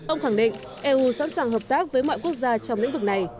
ông khẳng định eu sẵn sàng hợp tác với mọi quốc gia trong lĩnh vực này